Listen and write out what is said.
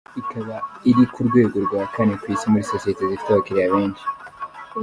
Ikaba iri ku rwego rwa kane ku isi muri Sosiyete zifite abakiriya benshi.